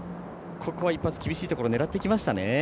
ここは一発、厳しいところ狙っていきましたね。